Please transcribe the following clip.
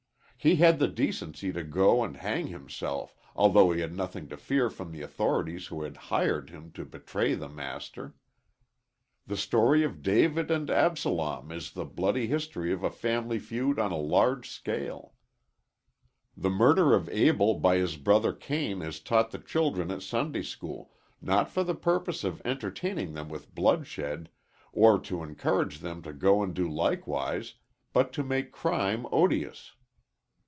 He had the decency to go and hang himself, although he had nothing to fear from the authorities who had hired him to betray the Master. The story of David and Absalom is the bloody history of a family feud on a large scale. The murder of Abel by his brother Cain is taught the children at Sunday school, not for the purpose of entertaining them with bloodshed, or to encourage them to go and do likewise, but to make crime odious.